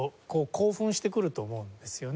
興奮してくると思うんですよね。